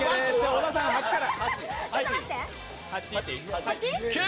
小田さん、８から。